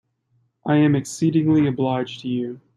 I am exceedingly obliged to you.